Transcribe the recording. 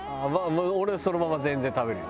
俺はそのまま全然食べるよ。